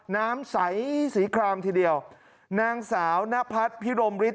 น้ำใสสีครามทีเดียวนางสาวนพัฒน์พิรมฤทธ